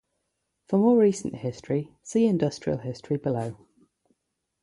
For more recent history, see industrial history below.